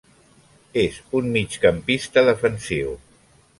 És un migcampista defensiu.